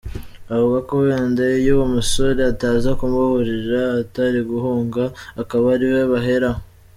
Avuga ko wenda iyo uwo musore ataza kumuburira atari guhunga akaba ari we baheraho.